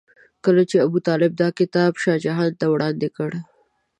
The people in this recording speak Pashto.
کله چې ابوطالب دا کتاب شاه جهان ته وړاندې کړ.